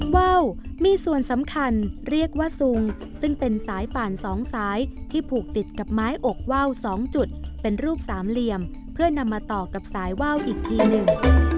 ว่าวมีส่วนสำคัญเรียกว่าซุงซึ่งเป็นสายป่าน๒สายที่ผูกติดกับไม้อกว่าว๒จุดเป็นรูปสามเหลี่ยมเพื่อนำมาต่อกับสายว่าวอีกทีหนึ่ง